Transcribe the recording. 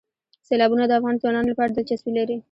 سیلابونه د افغان ځوانانو لپاره دلچسپي لري.